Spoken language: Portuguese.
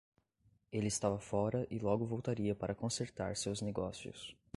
Ele estava fora e logo voltaria para consertar seus negócios.